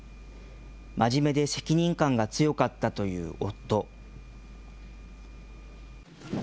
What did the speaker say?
真面目で責任感が強かったという夫。